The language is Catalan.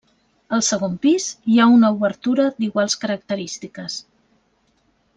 Al segon pis hi ha una obertura d'iguals característiques.